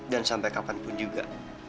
dan sampai kapanpun juga